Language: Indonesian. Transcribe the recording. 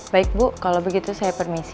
baik bu kalau begitu saya permisi